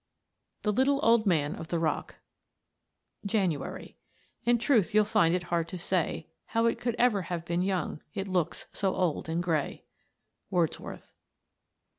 THE ADVENTURES OF A GRAIN OF DUST CHAPTER I (JANUARY) In truth you'll find it hard to say How it could ever have been young It looks so old and grey. _Wordsworth.